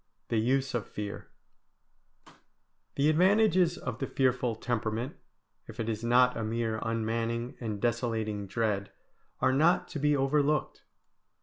V THE USE OF FEAR The advantages of the fearful temperament, if it is not a mere unmanning and desolating dread, are not to be overlooked.